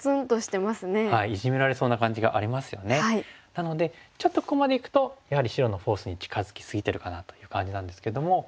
なのでちょっとここまでいくとやはり白のフォースに近づき過ぎてるかなという感じなんですけども。